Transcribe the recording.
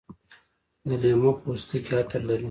د لیمو پوستکي عطر لري.